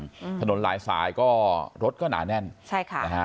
ถนนทางกลายทางก็รถแน่นนะครับ